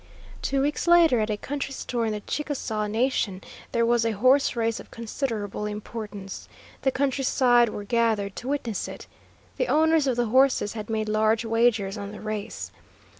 Two weeks later, at a country store in the Chickasaw Nation, there was a horse race of considerable importance. The country side were gathered to witness it. The owners of the horses had made large wagers on the race.